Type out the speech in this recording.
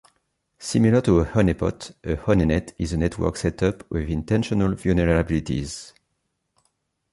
Similar to a honeypot, a honeynet is a network set up with intentional vulnerabilities.